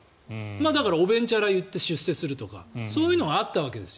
だからおべんちゃら言って出世するとかそういうのがあったわけです。